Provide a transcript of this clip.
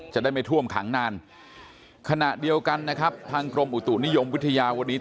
จะได้ไม่ท่วมขังนานขณะเดียวกันนะครับทางกรมอุตุนิยมวิทยาวันนี้